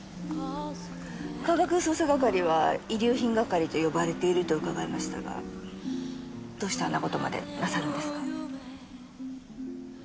科学捜査係は遺留品係と呼ばれていると伺いましたがどうしてあんな事までなさるんですか？